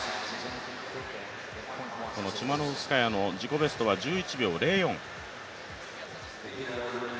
チマノウスカヤの自己ベストは１１秒０４。